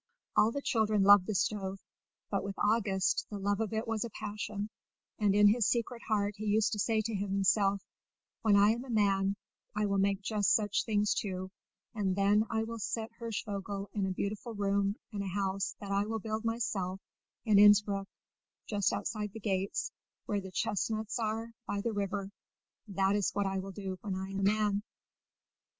All the children loved the stove, but with August the love of it was a passion; and in his secret heart he used to say to himself, "When I am a man, I will make just such things too, and then I will set Hirschvogel in a beautiful room in a house that I will build myself in Innspruck just outside the gates, where the chestnuts are, by the river: that is what I will do when I am a man."